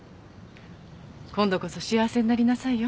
今度こそ幸せになりなさいよ。